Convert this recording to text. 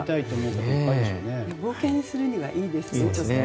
冒険するにはいいですねちょっとね。